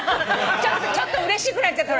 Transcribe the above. ちょっとうれしくなっちゃった。